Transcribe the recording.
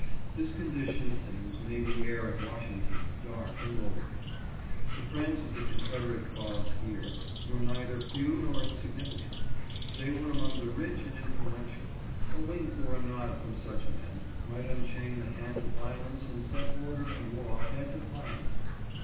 This condition of things made the air at Washington dark and lowering. The friends of the Confederate cause here were neither few nor insignificant. They were among the rich and influential. A wink or a nod from such men might unchain the hand of violence and set order and law at defiance.